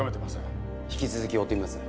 引き続き追ってみます。